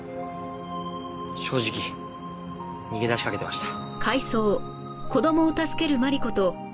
正直逃げ出しかけてました。